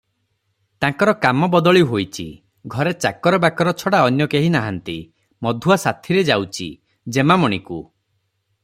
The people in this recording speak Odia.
ତାଙ୍କର କାମ ବଦଳିହୋଇଚି- ଘରେ ଚାକର ବାକର ଛଡ଼ା ଅନ୍ୟ କେହି ନାହାନ୍ତି- ମଧୁଆ ସାଥିରେ ଯାଉଚି- ଯେମାମଣିକୁ